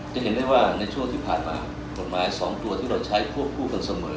จะเห็นได้ว่าในช่วงที่ผ่านมากฎหมาย๒ตัวที่เราใช้ควบคู่กันเสมอ